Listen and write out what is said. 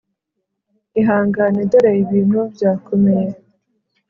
ihangane dore ibintu byakomeye.